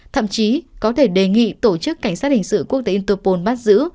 thậm chí có thể đề nghị tổ chức cảnh sát hình sự quốc tế interpol bắt giữ